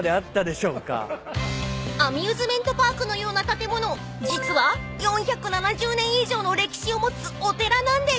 ［アミューズメントパークのような建物実は４７０年以上の歴史を持つお寺なんです］